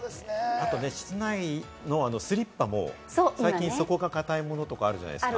あと室内のスリッパも最近、底が硬いものとかあるじゃないですか。